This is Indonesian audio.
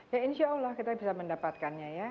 ya insya allah kita bisa mendapatkannya ya